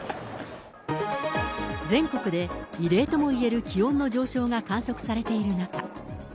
全国で異例ともいえる気温の上昇が観測されている中。